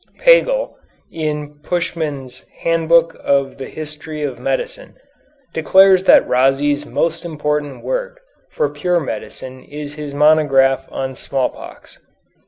Pagel, in Puschmann's "Handbook of the History of Medicine," declares that Rhazes' most important work for pure medicine is his monograph on smallpox.